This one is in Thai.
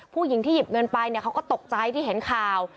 ผู้หญิงที่หยิบเงินไปเขาก็ตกใจที่เห็นข่าว